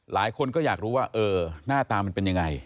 หลายคนก็อยากรู้ว่าเออหน้าตามันเป็นยังไง